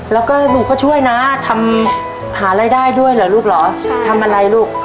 แล้วก็หนูก็ช่วยนะทำหารายได้ด้วยเหรอลูกเหรอใช่ทำอะไรลูก